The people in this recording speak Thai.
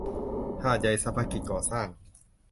หาดใหญ่สรรพกิจก่อสร้าง